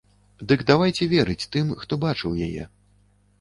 Дык давайце верыць тым, хто бачыў яе.